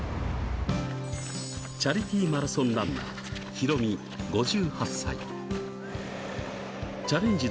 チャリティーマラソンランナー、ヒロミ５８歳。